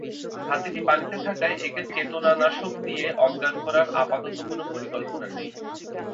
হাতিটি পানিতে থাকায় একে চেতনানাশক দিয়ে অজ্ঞান করার আপাতত কোনো পরিকল্পনা নেই।